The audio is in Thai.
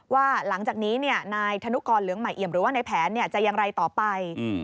ว่าหลังจากนี้นายธนุกรเหลืองใหม่เอี่ยมหรือว่าในแผนจะอย่างไรต่อไป